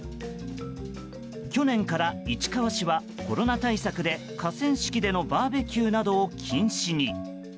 去年から市川市は、コロナ対策で河川敷でのバーベキューなどを禁止に。